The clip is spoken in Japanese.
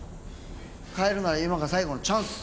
変えるなら今が最後のチャンス。